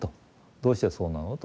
どうしてそうなのと。